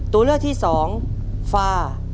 ตัวเลือกที่๒ฟา